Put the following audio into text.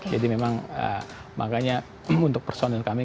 jadi memang makanya untuk personil kami